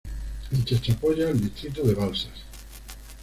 En Chachapoyas el distrito de Balsas.